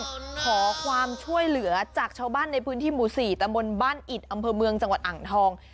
ขอความช่วยเหลือจากชาวบ้านในพื้นที่หมู่๔ตำบลบ้านอิดอำเภอเมืองจังหวัดอ่างทอง